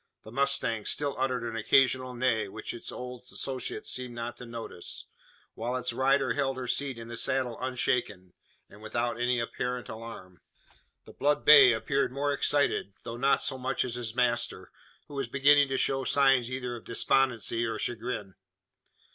The mustang still uttered an occasional neigh, which its old associates seemed not to notice; while its rider held her seat in the saddle unshaken, and without any apparent alarm. The blood bay appeared more excited, though not so much as his master; who was beginning to show signs either of despondency or chagrin.